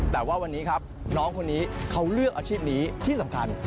แต่ว่าวันนี้ครับน้องคนนี้เขาเลือกอาชีพนี้ที่สำคัญ